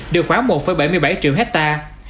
được khoảng một bảy mươi bảy triệu hectare